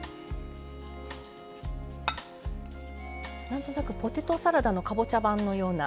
何となくポテトサラダのかぼちゃ版のような。